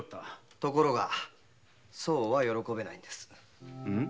ところがそうは喜べないんです。